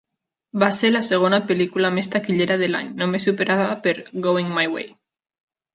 Va ser la segona pel·lícula més taquillera de l'any, només superada per "Going My Way".